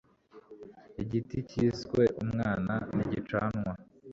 igiti kiswe umwana ntigicanwa